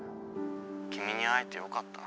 「君に会えてよかった」。